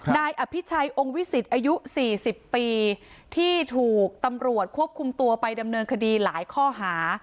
นายอภิชัยองค์วิสิตอายุ๔๐ปีที่ถูกตำรวจควบคุมตัวไปดำเนินคดีหลายข้อหา